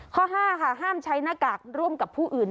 ข้อ๕ค่ะห้ามใช้หน้ากากร่วมกับผู้อื่น